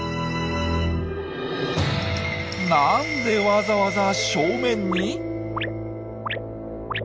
「なんでわざわざ正面に？」。